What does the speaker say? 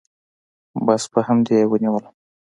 بس په همدې يې ونيولم.